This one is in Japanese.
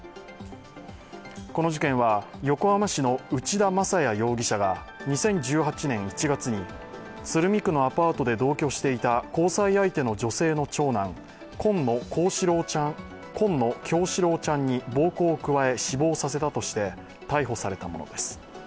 この事件は、横浜市の内田正也容疑者が２０１８年１月に鶴見区のアパートで同居していた交際相手の女性の長男紺野叶志郎ちゃんに暴行を加え、死亡させたとして逮捕されたものです。